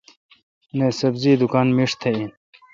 نہ ۔سبزی دکان میݭ تہ این۔